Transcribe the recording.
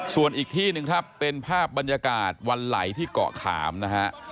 ส่วนอีกที่หนึ่งครับเป็นภาพบรรยากาศวันไหลที่เกาะขามนะฮะ